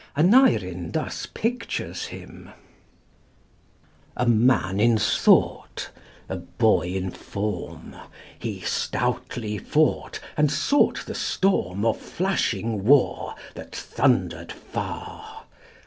Aneurin thus pictures him: ] A man in thought, a boy in form, He stoutly fought, and sought the storm Of flashing war that thundered far.